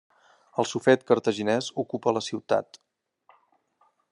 El sufet cartaginès ocupa la ciutat.